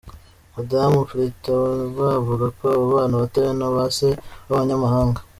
Madamu Pletnyova avuga ko abo bana "batawe" na ba se b’abanyamahanga.